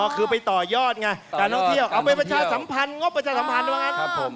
คือไปต่อยอดไงการท่องเที่ยวเอาไปประชาสัมพันธ์งบประชาสัมพันธ์ว่างั้น